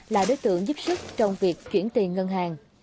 là đối tượng giúp sức trong việc chuyển tiền ngân hàng